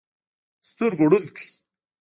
سترګو ړوند کړ.